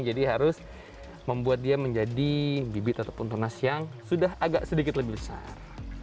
jadi harus membuat dia menjadi bibit ataupun tunas yang sudah agak sedikit lebih besar